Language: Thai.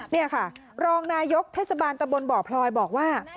นี่ค่ะรองนายกเทศบาลตะบนบ่อพลอยบอกว่า